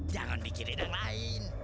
jangan bikin edang lain